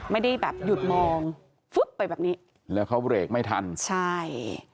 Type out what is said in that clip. ไม่ได้แบบหยุดมองฟึ๊บไปแบบนี้แล้วเขาเบรกไม่ทันใช่